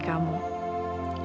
tuh tuh tuh